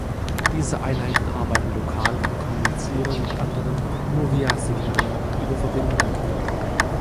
Diese Einheiten arbeiten lokal und kommunizieren mit anderen nur via Signalen über Verbindungen.